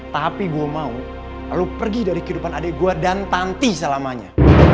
tapi gue mau lo pergi dari kehidupan adik gue dan tanti selamanya